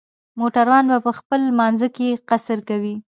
موټروان به په خپل لمانځه کې قصر کوي